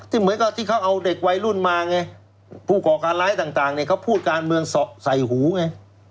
เหมือนกับที่เขาเอาเด็กวัยรุ่นมาไงผู้ก่อการร้ายต่างเนี่ยเขาพูดการเมืองใส่หูไง